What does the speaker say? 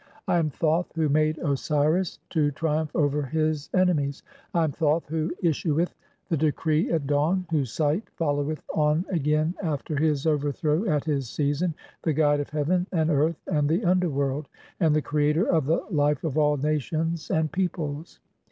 "I am Thoth, who made Osiris to triumph (10) over his "enemies." "I am Thoth who issueth the decree at dawn, whose sight "followeth on again after [his] overthrow at his season, the guide "of heaven, and earth, and the underworld, (1 1) and the creator "of the life of [all] nations and peoples.